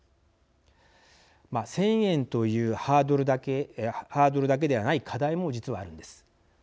１０００円というハードルだけではない課題もあるんです。